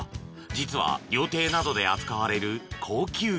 ［実は料亭などで扱われる］